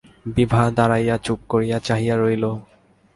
বিভা দাঁড়াইয়া চুপ করিয়া চাহিয়া রহিল।